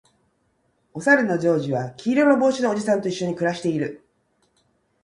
おさるのジョージは黄色の帽子のおじさんと一緒に暮らしている